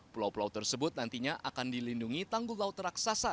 pulau pulau tersebut nantinya akan dilindungi tanggul laut raksasa